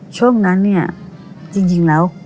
ช่วงนั้นเนี่ยจริงแล้ว